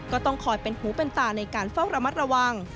ก็ต้องคอยเป็นหูเป็นตาในการเฝ้าระมัดระวัง